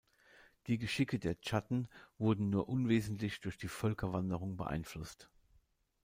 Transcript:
Die Geschicke der Chatten wurden nur unwesentlich durch die Völkerwanderung beeinflusst.